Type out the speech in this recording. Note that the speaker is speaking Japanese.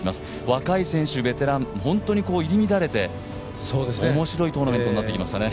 若い選手と入り乱れて、おもしろいトーナメントになってきましたね。